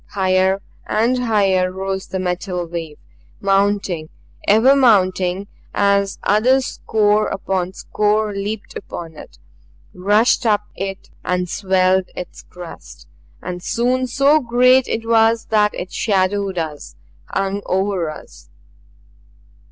Higher and higher arose the metal wave mounting, ever mounting as other score upon score leaped upon it, rushed up it and swelled its crest. And soon so great it was that it shadowed us, hung over us.